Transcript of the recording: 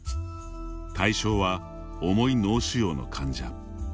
対象は、重い脳腫瘍の患者。